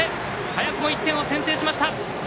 早くも１点を先制しました。